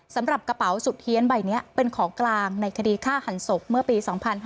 สำหรับกระเป๋าสุดเฮียนใบนี้เป็นของกลางในคดีฆ่าหันศพเมื่อปี๒๕๕๙